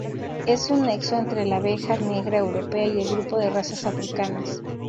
Es un nexo entre la abeja negra europea y el grupo de razas Africanas.